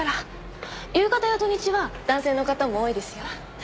夕方や土日は男性の方も多いですよ。